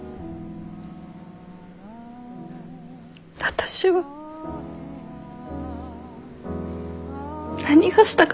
私は何がしたかったんだろう。